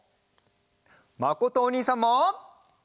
まことおにいさんも。